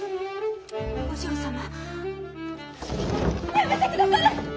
やめてくだされ！